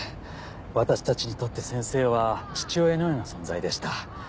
私たちにとって先生は父親のような存在でした。